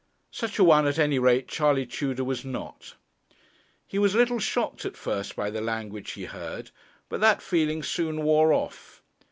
Such, a one, at any rate, Charley Tudor was not. He was a little shocked at first by the language he heard; but that feeling soon wore off.